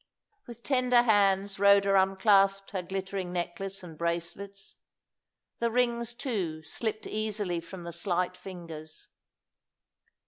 With tender hands Rhoda unclasped her glittering necklace and bracelets; the rings, too, slipped easily from the slight fingers.